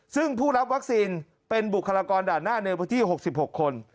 ซึ่งผู้รับวัคซีนเป็นบุคลากรด่านหน้าในพื้นที่๖๖คน